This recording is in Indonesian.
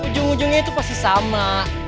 ujung ujungnya itu pasti sama